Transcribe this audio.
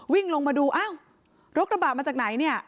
วิ่งลงมาดูอ้าวรถกระบะมาจากไหนเนี่ย